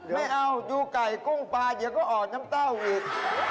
ไม่เอาดูไก่กุ้งปลาเดี๋ยวก็อ่อนน้ำเต้าอีก